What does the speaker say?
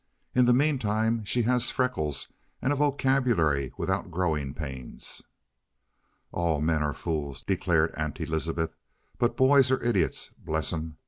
"In the meantime she has freckles and a vocabulary without growing pains." "All men are fools," declared Aunt Elizabeth; "but boys are idiots, bless 'em!